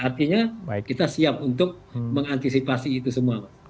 artinya kita siap untuk mengantisipasi itu semua